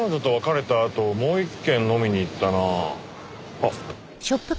あっ。